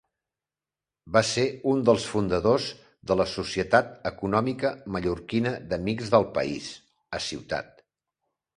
Va ser un dels fundadors de la Societat Econòmica Mallorquina d'Amics del País, a Ciutat.